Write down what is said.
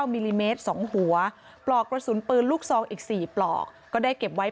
มิลลิเมตร๒หัวปลอกกระสุนปืนลูกซองอีก๔ปลอกก็ได้เก็บไว้